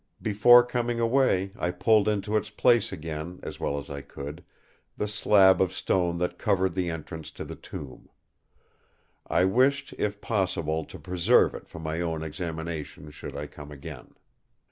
Before coming away I pulled into its place again, as well as I could, the slab of stone that covered the entrance to the tomb. I wished, if possible, to preserve it for my own examination should I come again.